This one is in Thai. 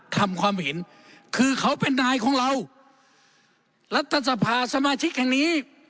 ทำความเห็นคือเขาเป็นนายของเรารัฐสภาสมาชิกแห่งนี้